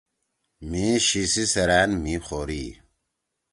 مھی شی سی سیرأن مھی خوری ہی۔